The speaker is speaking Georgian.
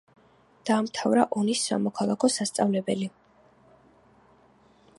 დაამთავრა ონის სამოქალაქო სასწავლებელი.